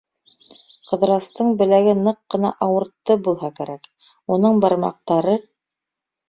Ҡыҙырастың беләге ныҡ ҡына ауыртты булһа кәрәк, уның бармаҡтары